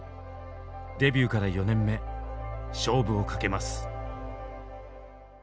デビューから４年目勝負をかけます。